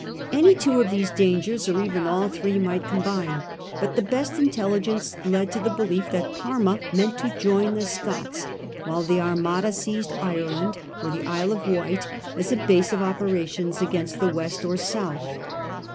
Any two of these dangers, or even all three, might combine ; but the best intelligence led to the belief that Parma meant to join the Scots, while the Armada seized Ireland or the Isle of Wight as a base of operations against the west or south.